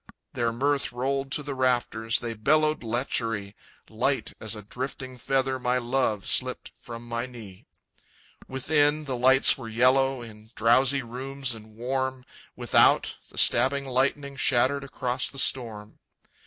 Their mirth rolled to the rafters, They bellowed lechery; Light as a drifting feather My love slipped from my knee. Within, the lights were yellow In drowsy rooms and warm; Without, the stabbing lightning Shattered across the storm.